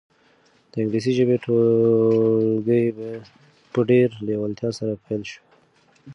د انګلیسي ژبې ټولګي په ډېرې لېوالتیا سره پیل شول.